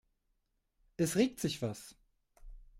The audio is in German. Es regt sich was.